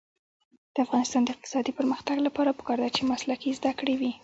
د افغانستان د اقتصادي پرمختګ لپاره پکار ده چې مسلکي زده کړې وي.